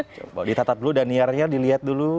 coba ditatap dulu daniarnya dilihat dulu